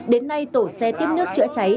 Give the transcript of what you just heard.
đến nay tổ xe tiếp nước trợ cháy